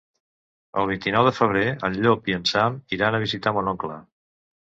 El vint-i-nou de febrer en Llop i en Sam iran a visitar mon oncle.